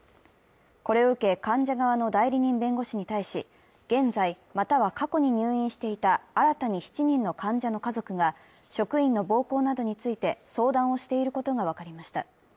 これを受け、患者側の代理人弁護士に対し、現在または過去に入院していた新たに７人の患者の家族が職員の暴行などについて相談をしていることが分かりました。